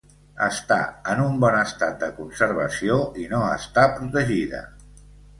Està en un bon estat de conservació i no està protegida.